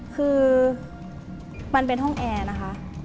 คือมันเป็นห้องแอร์นะคะ